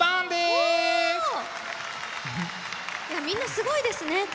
みんなすごいですね。